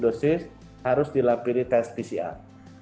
satu dosis harus dilampiri tes pcr